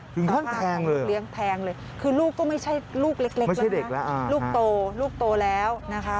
ถึงทั้งแทงเลยเหรอคะคือลูกก็ไม่ใช่ลูกเล็กแล้วนะคะลูกโตแล้วนะคะ